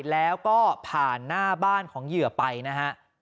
แล้วก็ผ่านหน้าบ้านของเหยื่อไปนะฮะ